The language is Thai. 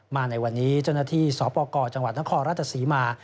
มาในวันนี้เจ้าหน้าที่สปกรจังหวัดนครราชศรีมา